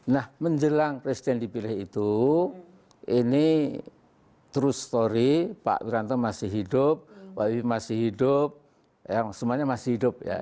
nah menjelang presiden dipilih itu ini true story pak wiranto masih hidup pak wibi masih hidup semuanya masih hidup ya